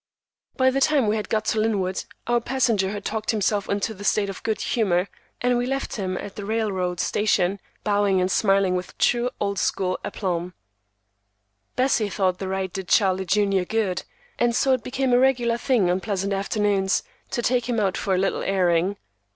By the time we had got to Linwood, our passenger had talked himself into a state of good humor, and we left him at the railroad station, bowing and smiling with true old school aplomb. Bessie thought the ride did Charlie, junior, good, and so it became a regular thing, on pleasant afternoons, to take him out for a little airing.